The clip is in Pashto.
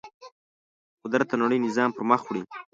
قدرت د نړۍ نظام پر مخ وړي.